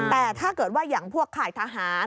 แต่ถ้าเกิดว่าอย่างพวกข่ายทหาร